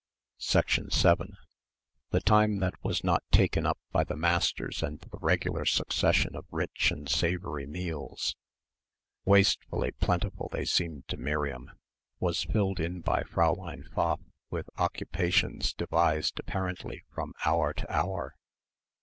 7 The time that was not taken up by the masters and the regular succession of rich and savoury meals wastefully plentiful they seemed to Miriam was filled in by Fräulein Pfaff with occupations devised apparently from hour to hour.